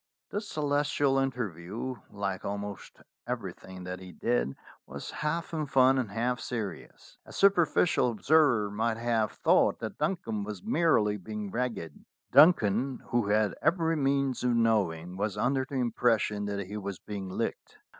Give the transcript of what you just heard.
The Celestial's interview, like almost everything that he did, was half in fun and half serious. A super ficial observer might have thought that Duncan was merely being ragged. Duncan, who had every means of knowing, was under the impression that he was being licked.